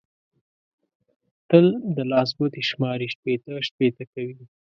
تل د لاس ګوتې شماري؛ شپېته شپېته کوي.